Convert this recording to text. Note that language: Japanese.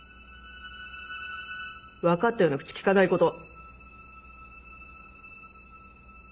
分かったような口利かないこと。